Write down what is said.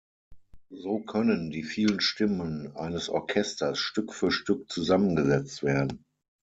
So können die vielen Stimmen eines Orchesters Stück für Stück zusammengesetzt werden.